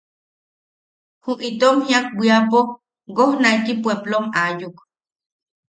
Jum itom jiak bwiapo woojnaiki pueplom aayuk.